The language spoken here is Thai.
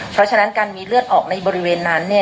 เพราะฉะนั้นการมีเลือดออกในบริเวณนั้นเนี่ย